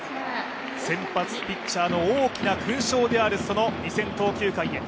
先発ピッチャーの大きな勲章である２０００投球回へ。